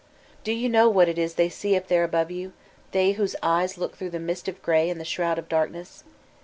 Do you know what it is they see up there above joo, they whose eyes look through the mbt of gray and the shroud of darkness?